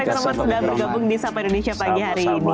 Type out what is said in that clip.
terima kasih roman sudah bergabung di sapa indonesia pagi hari ini